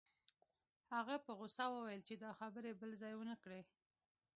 هغه په غوسه وویل چې دا خبرې بل ځای ونه کړې